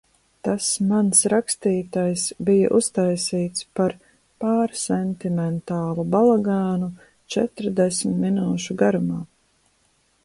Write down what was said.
Tas mans rakstītais bija uztaisīts par pārsentimentālu balagānu četrdesmit minūšu garumā.